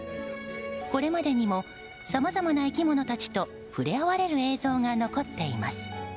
これまでにもさまざまな生き物たちと触れ合われる映像が残っています。